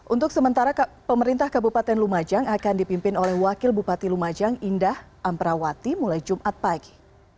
untuk sementara pemerintah kabupaten lumajang akan dipimpin oleh wakil bupati lumajang indah amperawati mulai jumat pagi